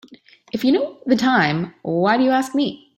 If you know the time why do you ask me?